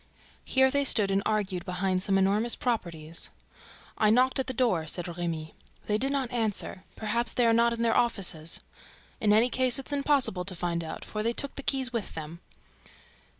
Here they stood and argued behind some enormous "properties." "I knocked at the door," said Remy. "They did not answer. Perhaps they are not in the office. In any case, it's impossible to find out, for they took the keys with them."